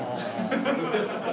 ハハハハ！